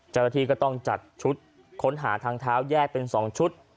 จากทีก็ต้องจัดชุดค้นหาทางเท้าแยกเป็นสองชุด